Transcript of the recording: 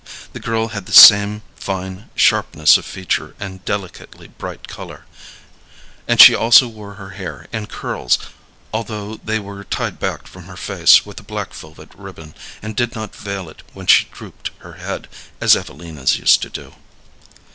This girl had the same fine sharpness of feature and delicately bright color, and she also wore her hair in curls, although they were tied back from her face with a black velvet ribbon, and did not veil it when she drooped her head, as Evelina's used to do.